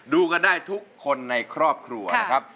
ดูกันได้ทุกคนในครอบครัวนะครับ